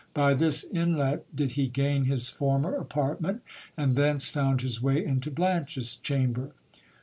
By this inlet did he gain his former apartment, and thence found his way into Blanche's chamber.